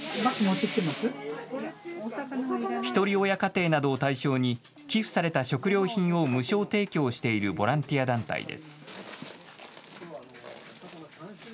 ひとり親家庭などを対象に寄付された食料品を無償提供しているボランティア団体です。